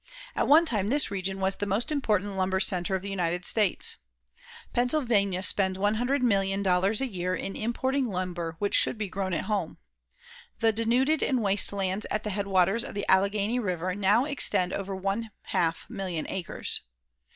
At one time this region was the most important lumber centre of the United States. Pennsylvania spends $100,000,000 a year in importing lumber which should be grown at home. The denuded and waste lands at the headwaters of the Allegheny River now extend over one half million acres.